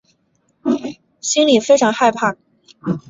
心里非常害怕